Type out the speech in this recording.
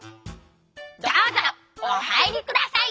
「どうぞおはいりください」。